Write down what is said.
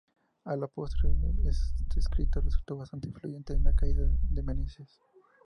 A la postre, este escrito resultó bastante influyente en la caída de Meneses.